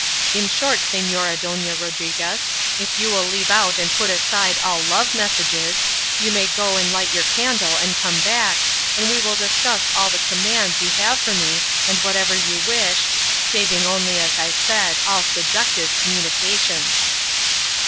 In short, Señora Dona Rodriguez, if you will leave out and put aside all love messages, you may go and light your candle and come back, and we will discuss all the commands you have for me and whatever you wish, saving only, as I said, all seductive communications."